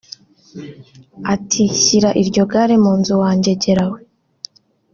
Ati “shyira iryo gare mu nzu wangegerawe